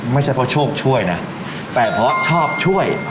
ไม่ใช่เพราะโชคช่วยนะแต่เพราะชอบช่วย